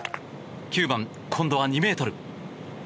９番、今度は２ｍ。